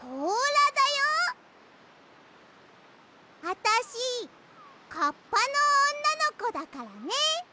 あたしカッパのおんなのこだからね。